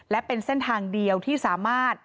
และเป็นเส้นทางเดียวที่สามารถ